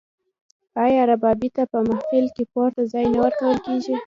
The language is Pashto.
آیا ربابي ته په محفل کې پورته ځای نه ورکول کیږي؟